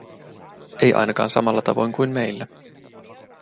Ei ainakaan samalla tavoin kuin meillä.